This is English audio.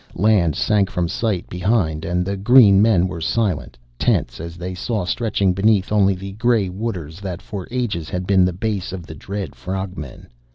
Land sank from sight behind and the green men were silent, tense, as they saw stretching beneath only the gray waters that for ages had been the base of the dread frog men.